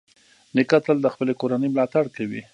نیکه تل د خپلې کورنۍ ملاتړ کوي.